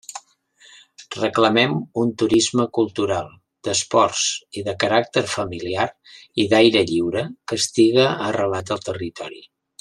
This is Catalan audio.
Reclamem un turisme cultural, d'esports i de caràcter familiar i d'aire lliure que estiga arrelat al territori.